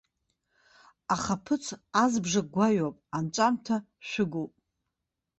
Ахаԥыц азбжак гәаҩоуп, анҵәамҭа шәыгәуп.